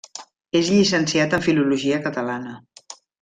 És llicenciat en filologia catalana.